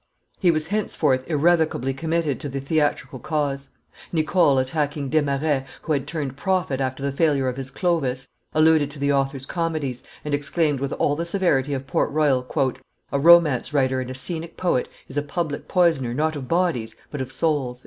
He was henceforth irrevocably committed to the theatrical cause. Nicole attacking Desmarets, who had turned prophet after the failure of his Clovis, alluded to the author's comedies, and exclaimed with all the severity of Port Royal, "A romance writer and a scenic poet is a public poisoner not of bodies but of souls."